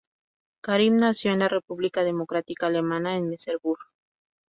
Karim nació en la República Democrática Alemana, en Merseburg.